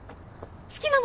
好きなの？